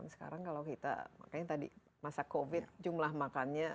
sekarang kalau kita makanya tadi masa covid jumlah makannya